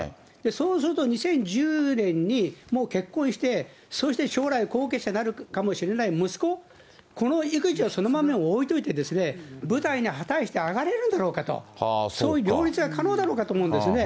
そうすると２０１０年にもう結婚して、そして将来後継者になるかもしれない息子、この育児をそのまま置いといて、舞台に果たして上がれるんだろうかと、その両立が可能だろうかと思うんですね。